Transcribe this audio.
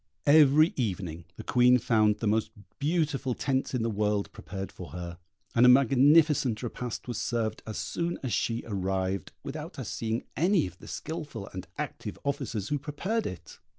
Every evening the Queen found the most beautiful tents in the world prepared for her, and a magnificent repast was served as soon as she arrived, without her seeing any of the skilful and active officers who prepared it.